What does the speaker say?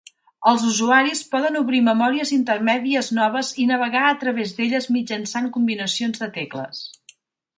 Els usuaris poden obrir memòries intermèdies noves i navegar a través d'elles mitjançant combinacions de tecles.